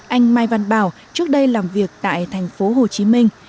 anh mai văn bảo trước đây làm việc tại thành phố hồ chí minh